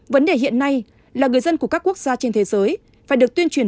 vấn đề hiện nay là người dân của các quốc gia trên thế giới phải được tuyên truyền